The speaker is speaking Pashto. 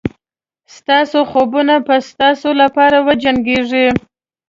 ستاسو خوبونه به ستاسو لپاره وجنګېږي.